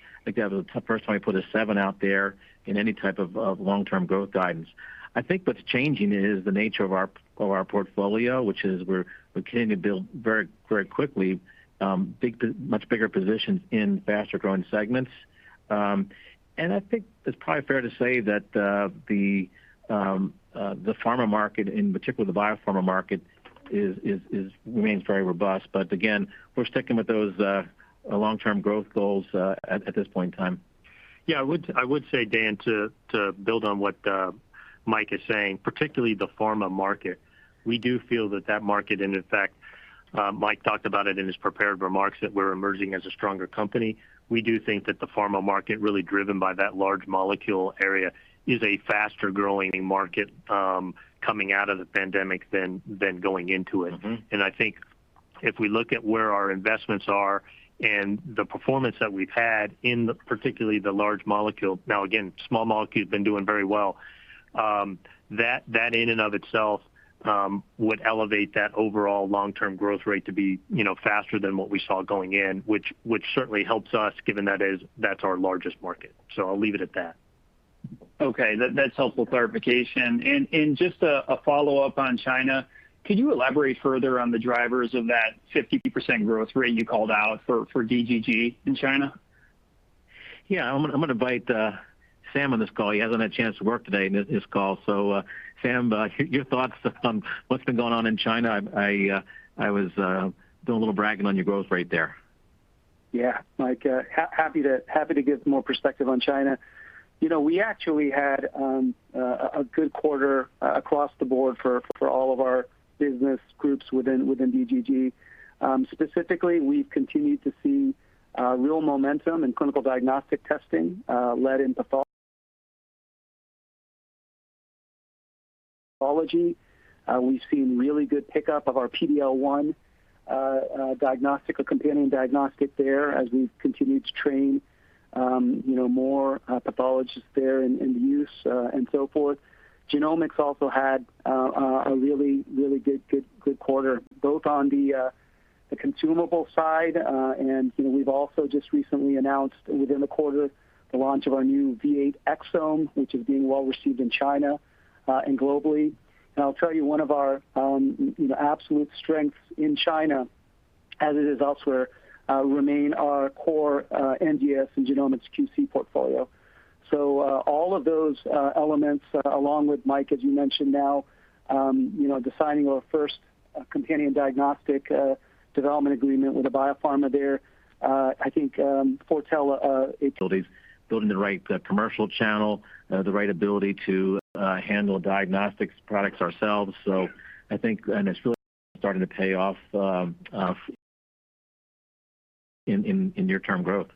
was the first time we put a seven out there in any type of long-term growth guidance. I think what's changing is the nature of our portfolio, which is we're continuing to build very quickly much bigger positions in faster-growing segments. I think it's probably fair to say that the pharma market, in particular the biopharma market remains very robust. Again, we're sticking with those long-term growth goals at this point in time. I would say, Dan, to build on what Mike is saying, particularly the pharma market, we do feel that that market, and in fact, Mike talked about it in his prepared remarks, that we're emerging as a stronger company. We do think that the pharma market, really driven by that large molecule area, is a faster-growing market coming out of the pandemic than going into it. I think if we look at where our investments are and the performance that we've had in particularly the large molecule, now again, small molecule has been doing very well. That in and of itself would elevate that overall long-term growth rate to be faster than what we saw going in, which certainly helps us given that's our largest market. I'll leave it at that. Okay. That's helpful clarification. Just a follow-up on China, could you elaborate further on the drivers of that 50% growth rate you called out for DGG in China? Yeah, I'm going to invite Sam on this call. He hasn't had a chance to work today in this call. Sam, your thoughts on what's been going on in China. I was doing a little bragging on your growth rate there. Yeah. Mike, happy to give more perspective on China. We actually had a good quarter across the board for all of our business groups within DGG. Specifically, we've continued to see real momentum in clinical diagnostic testing led in pathology. We've seen really good pickup of our PD-L1 diagnostic or companion diagnostic there as we've continued to train more pathologists there in use and so forth. Genomics also had a really good quarter, both on the consumable side and we've also just recently announced within the quarter the launch of our new V8 exome, which is being well-received in China and globally. I'll tell you one of our absolute strengths in China, as it is elsewhere, remain our core NGS and genomics QC portfolio. All of those elements along with Mike, as you mentioned now, the signing of our first companion diagnostic development agreement with a biopharma there. I think. These building the right commercial channel, the right ability to handle diagnostics products ourselves. I think, and it's really starting to pay off in near-term growth.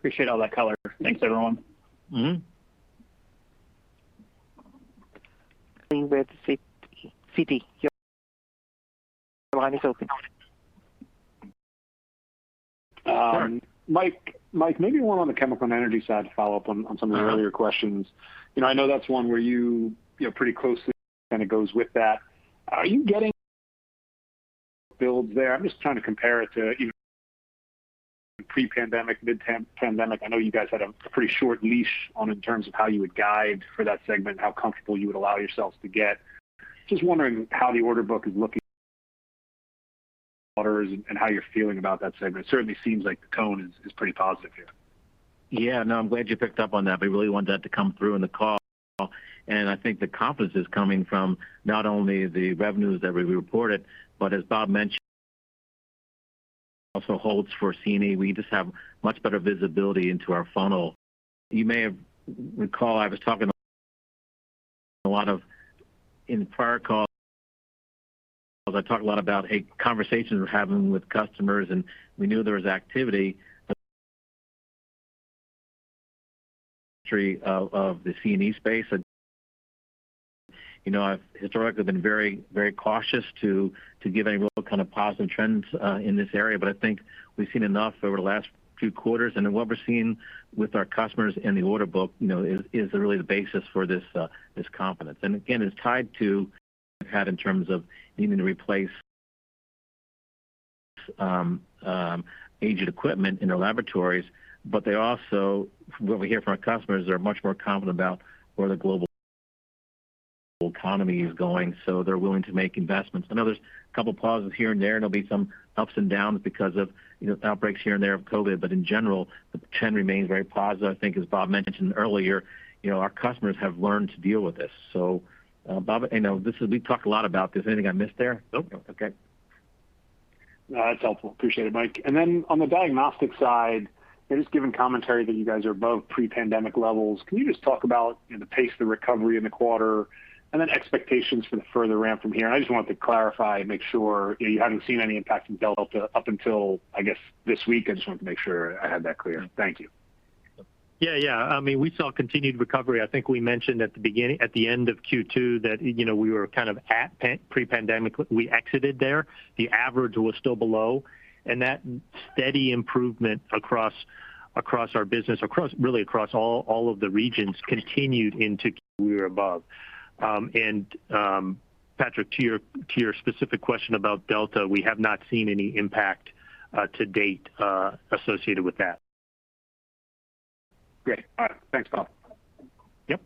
Appreciate all that color. Thanks, everyone. Next in line we have Citi. Your line is open. Mike, maybe one on the Chemical & Energy side to follow up on some of the earlier questions. I know that's one where you pretty closely and it goes with that. Are you getting builds there? I'm just trying to compare it to pre-pandemic, mid-pandemic. I know you guys had a pretty short leash on in terms of how you would guide for that segment, how comfortable you would allow yourselves to get. Just wondering how the order book is looking quarters and how you're feeling about that segment. It certainly seems like the tone is pretty positive here. Yeah, no, I'm glad you picked up on that. We really want that to come through in the call. I think the confidence is coming from not only the revenues that we reported, but as Bob mentioned, also holds for C&E. We just have much better visibility into our funnel. You may have recall, I was talking a lot of in prior calls, I talked a lot about conversations we're having with customers, and we knew there was activity of the C&E space. I've historically been very cautious to give any real kind of positive trends in this area. I think we've seen enough over the last few quarters. What we're seeing with our customers in the order book is really the basis for this confidence. Again, it's tied to that in terms of needing to replace aged equipment in our laboratories. They also, what we hear from our customers, they're much more confident about where the global economy is going, so they're willing to make investments. I know there's a couple positives here and there, and there'll be some ups and downs because of outbreaks here and there of COVID. In general, the trend remains very positive. I think as Bob mentioned earlier, our customers have learned to deal with this. Bob, we've talked a lot about this. Anything I missed there? Nope. Okay. No, that's helpful. Appreciate it, Mike. Then on the diagnostic side, just given commentary that you guys are above pre-pandemic levels, can you just talk about the pace of recovery in the quarter and then expectations for the further ramp from here? I just wanted to clarify and make sure you haven't seen any impact from Delta up until, I guess, this week. I just wanted to make sure I had that clear. Thank you. Yeah. We saw continued recovery. I think we mentioned at the end of Q2 that we were kind of at pre-pandemic. We exited there. The average was still below. That steady improvement across our business, really across all of the regions, continued into Q3 we were above. Patrick, to your specific question about Delta, we have not seen any impact to date associated with that. Great. All right. Thanks, Bob. Yep.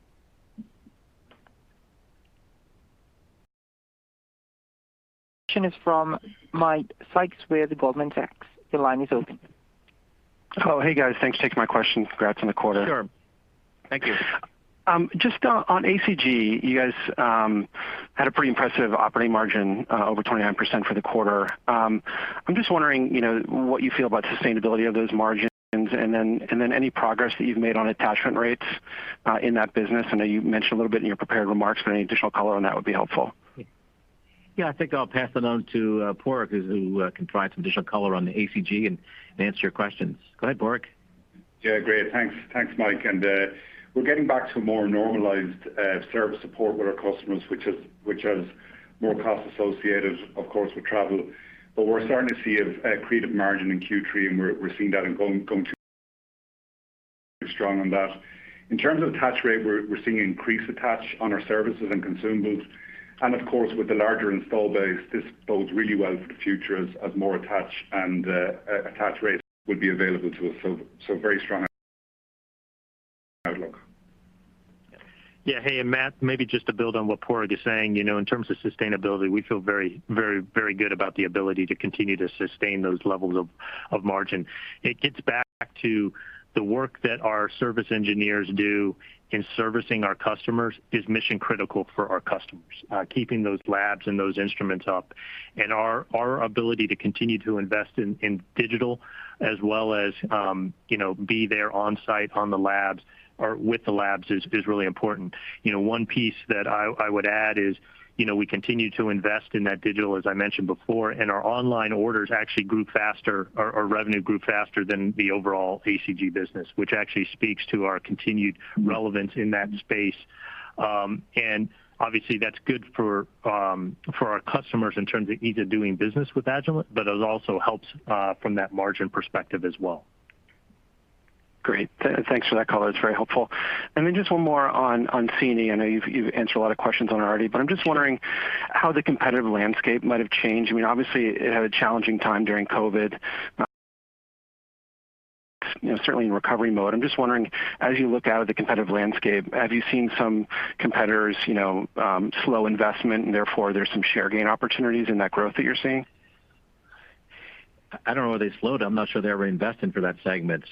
Next question is from Matt Sykes with Goldman Sachs. Your line is open. Oh, hey, guys. Thanks for taking my questions. Congrats on the quarter. Sure. Thank you. Just on ACG, you guys had a pretty impressive operating margin over 29% for the quarter. I'm just wondering what you feel about sustainability of those margins and then any progress that you've made on attachment rates in that business. I know you mentioned a little bit in your prepared remarks, but any additional color on that would be helpful. Yeah. I think I'll pass it on to Padraig, who can provide some additional color on the ACG and answer your questions. Go ahead, Padraig. Yeah. Great. Thanks, Mike. We're getting back to more normalized service support with our customers, which has more costs associated, of course, with travel. We're starting to see accretive margin in Q3, and we're seeing that and going through strong on that. In terms of attach rate, we're seeing increased attach on our services and consumables, and of course, with the larger install base, this bodes really well for the future as more attach and attach rates will be available to us. Very strong outlook. Yeah. Hey, Matt, maybe just to build on what Padraig is saying. In terms of sustainability, we feel very good about the ability to continue to sustain those levels of margin. It gets back to the work that our service engineers do in servicing our customers is mission-critical for our customers. Keeping those labs and those instruments up and our ability to continue to invest in digital as well as be there on site on the labs or with the labs is really important. One piece that I would add is we continue to invest in that digital, as I mentioned before, and our revenue grew faster than the overall ACG business, which actually speaks to our continued relevance in that space. Obviously, that's good for our customers in terms of ease of doing business with Agilent, but it also helps from that margin perspective as well. Great. Thanks for that color. That's very helpful. Just one more on C&E. I know you've answered a lot of questions on it already. I'm just wondering how the competitive landscape might have changed. Obviously, it had a challenging time during COVID. Certainly in recovery mode. I'm just wondering, as you look out at the competitive landscape, have you seen some competitors slow investment and therefore there's some share gain opportunities in that growth that you're seeing? I don't know whether they slowed. I'm not sure they're reinvesting for that segment.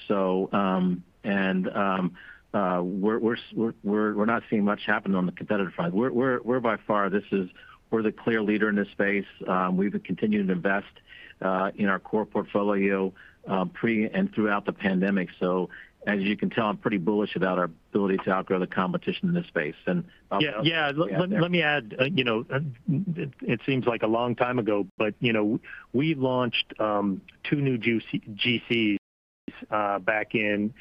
We're not seeing much happen on the competitive front. We're the clear leader in this space. We've continued to invest in our core portfolio pre and throughout the pandemic. As you can tell, I'm pretty bullish about our ability to outgrow the competition in this space. Yeah. Let me add. It seems like a long time ago, we launched two new GCs back in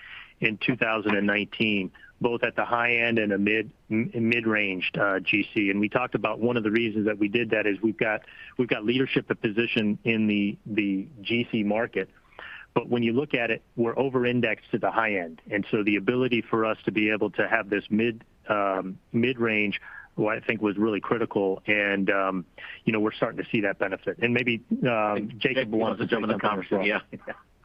2019, both at the high end and a mid-range GC. We talked about one of the reasons that we did that is we've got leadership, the position in the GC market. When you look at it, we're over-indexed at the high end. The ability for us to be able to have this mid-range, I think, was really critical. We're starting to see that benefit. Maybe Jacob wants to jump in the conversation. Yeah.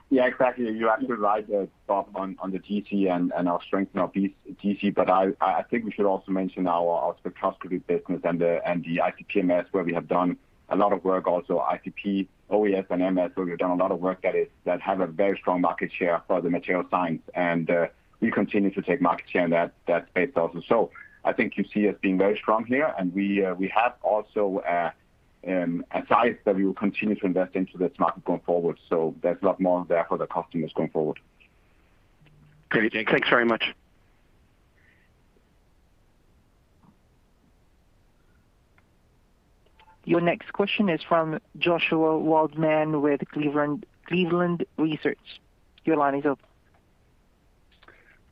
Yeah, exactly. You're actually right, Bob, on the GC and our strength in our GC, but I think we should also mention our spectroscopy business and the ICP-MS, where we have done a lot of work also. ICP-OES, and MS, where we've done a lot of work that have a very strong market share for the material science, and we continue to take market share in that space also. I think you see us being very strong here, and we have also a size that we will continue to invest into this market going forward. There's a lot more there for the customers going forward. Great. Thanks very much. Your next question is from Joshua Waldman with Cleveland Research. Your line is open.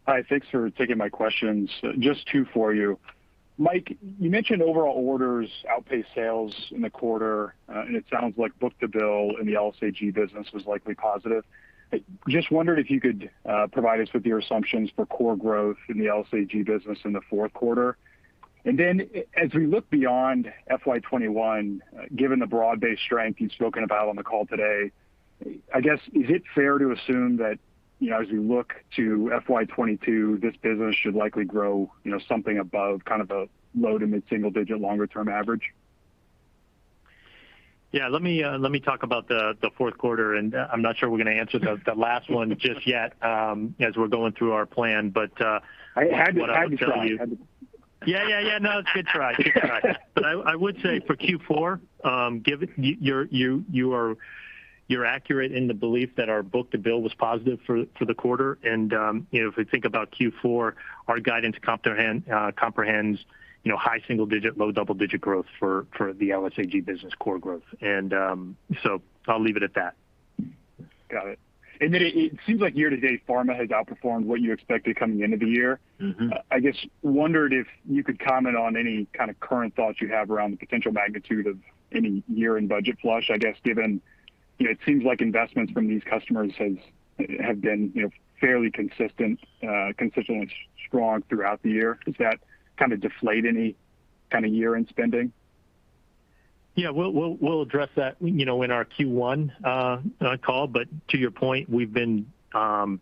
Hi. Thanks for taking my questions. Just two for you. Mike, you mentioned overall orders outpaced sales in the quarter. It sounds like book-to-bill in the LSAG business was likely positive. I just wondered if you could provide us with your assumptions for core growth in the LSAG business in the fourth quarter. As we look beyond FY 2021, given the broad-based strength you've spoken about on the call today, I guess, is it fair to assume that as we look to FY 2022, this business should likely grow something above kind of a low- to mid-single-digit longer-term average? Yeah. Let me talk about the fourth quarter, and I'm not sure we're going to answer the last one just yet as we're going through our plan, but what I'll tell you. I had to try. No, it's a good try. I would say for Q4, you're accurate in the belief that our book-to-bill was positive for the quarter. If we think about Q4, our guidance comprehends high single digit, low double-digit growth for the LSAG business core growth. I'll leave it at that. Got it. It seems like year to date, pharma has outperformed what you expected coming into the year. I just wondered if you could comment on any kind of current thoughts you have around the potential magnitude of any year-end budget flush, I guess, given it seems like investments from these customers have been fairly consistent and strong throughout the year. Does that kind of deflate any kind of year-end spending? Yeah. We'll address that in our Q1 call. To your point, we've been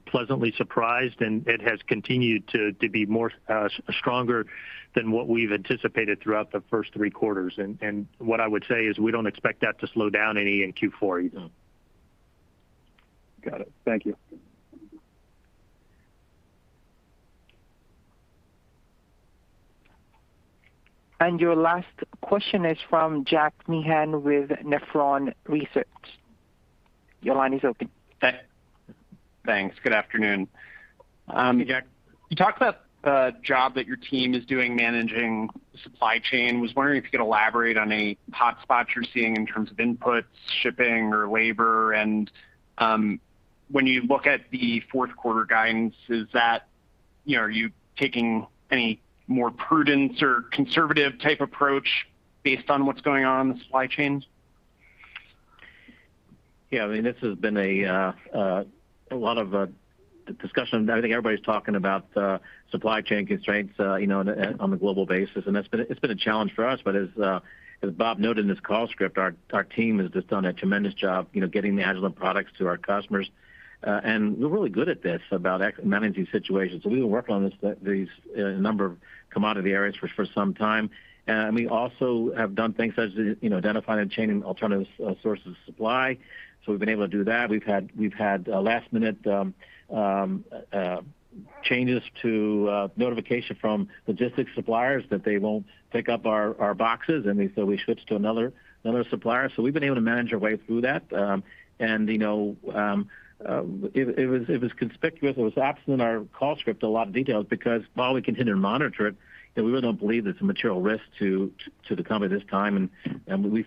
pleasantly surprised, and it has continued to be more stronger than what we've anticipated throughout the first three quarters. What I would say is we don't expect that to slow down any in Q4 either. Got it. Thank you. Your last question is from Jack Meehan with Nephron Research. Your line is open. Thanks. Good afternoon. Hey, Jack. You talked about the job that your team is doing managing supply chain. I was wondering if you could elaborate on any hotspots you're seeing in terms of inputs, shipping, or labor. When you look at the fourth quarter guidance, are you taking any more prudence or conservative type approach based on what's going on in the supply chains? Yeah. This has been a lot of discussion. I think everybody's talking about supply chain constraints on a global basis, and it's been a challenge for us. As Bob noted in this call script, our team has just done a tremendous job getting the Agilent products to our customers. We're really good at this, about managing situations. We've been working on these number of commodity areas for some time. We also have done things such as identifying and changing alternative sources of supply. We've been able to do that. We've had last-minute changes to notification from logistics suppliers that they won't pick up our boxes, and so we switched to another supplier. We've been able to manage our way through that. It was conspicuous, it was absent in our call script, a lot of details, because while we continue to monitor it, we really don't believe there's a material risk to the company this time. We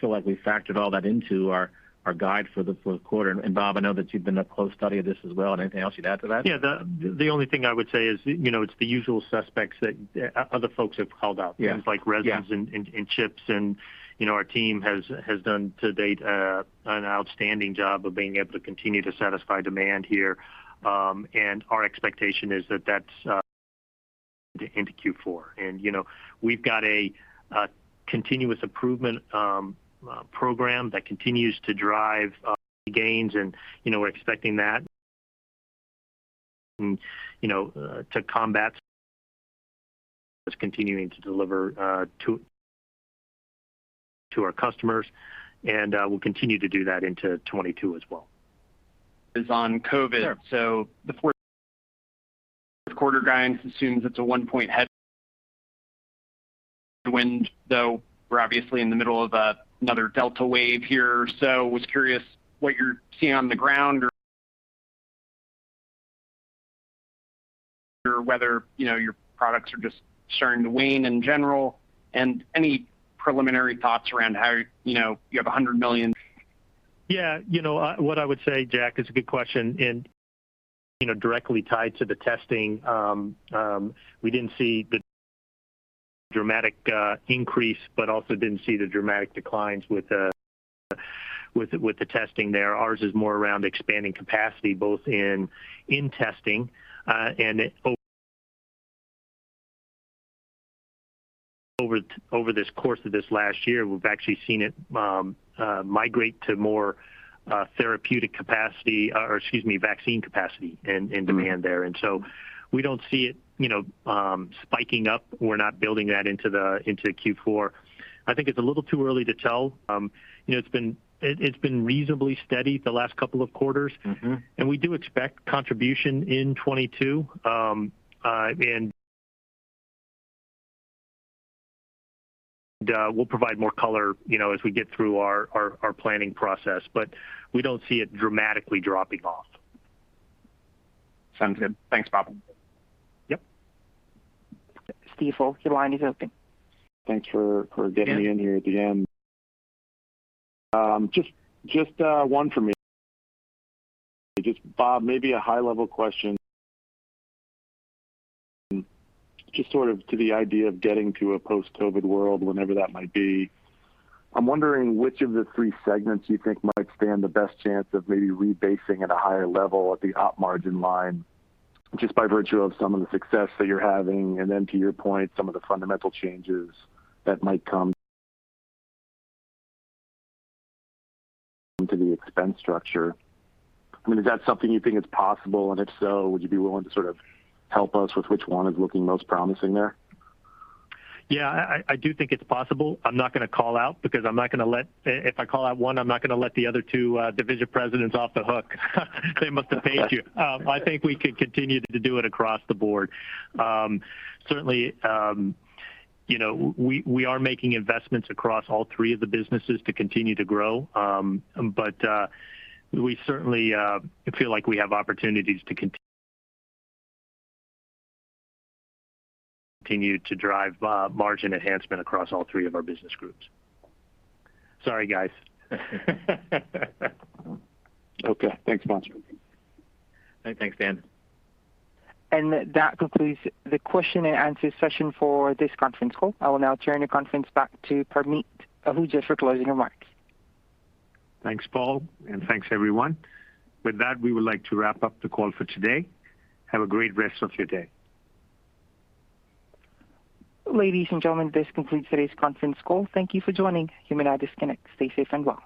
feel like we factored all that into our guide for the fourth quarter. Bob, I know that you've been up close study of this as well. Anything else you'd add to that? Yeah. The only thing I would say is, it's the usual suspects that other folks have called out. Yeah. Things like resins and chips, and our team has done to date an outstanding job of being able to continue to satisfy demand here. Our expectation is that that's into Q4. We've got a continuous improvement program that continues to drive gains and we're expecting that to combat us continuing to deliver to our customers. We'll continue to do that into 2022 as well. Is on COVID. Sure. The fourth quarter guidance assumes it's a 1-point headwind, though, we're obviously in the middle of another Delta wave here. Was curious what you're seeing on the ground or whether your products are just starting to wane in general, and any preliminary thoughts around how you have $100 million? Yeah. What I would say, Jack, it's a good question. Directly tied to the testing, we didn't see the dramatic increase, but also didn't see the dramatic declines with the testing there. Ours is more around expanding capacity, both in testing, and over this course of this last year, we've actually seen it migrate to more therapeutic capacity, or excuse me, vaccine capacity and demand there. We don't see it spiking up. We're not building that into Q4. I think it's a little too early to tell. It's been reasonably steady the last couple of quarters. We do expect contribution in 2022. We'll provide more color as we get through our planning process, but we don't see it dramatically dropping off. Sounds good. Thanks, Bob. Yep. Steve Folk, your line is open. Thanks for getting me in here at the end. Just 1 for me. Just Bob, maybe a high level question, just sort of to the idea of getting to a post-COVID world, whenever that might be. I'm wondering which of the 3 segments you think might stand the best chance of maybe rebasing at a higher level at the op margin line, just by virtue of some of the success that you're having, and then to your point, some of the fundamental changes that might come to the expense structure. Is that something you think is possible? If so, would you be willing to sort of help us with which 1 is looking most promising there? Yeah, I do think it's possible. I'm not going to call out because if I call out one, I'm not going to let the other two division presidents off the hook. They must have paid you. I think we could continue to do it across the board. Certainly, we are making investments across all three of the businesses to continue to grow. We certainly feel like we have opportunities to continue to drive margin enhancement across all three of our business groups. Sorry, guys. Okay. Thanks, Bob. Thanks, Steve. That concludes the question and answer session for this conference call. I will now turn the conference back to Parmeet Ahuja for closing remarks. Thanks, Paul, and thanks everyone. With that, we would like to wrap up the call for today. Have a great rest of your day. Ladies and gentlemen, this concludes today's conference call. Thank you for joining. You may now disconnect. Stay safe and well.